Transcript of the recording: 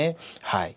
はい。